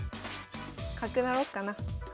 角成ろっかな。